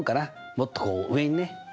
もっとこう上にね！